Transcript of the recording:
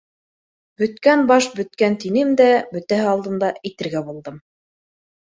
Бөткән баш бөткән тинем дә бөтәһе алдында әйтергә булдым: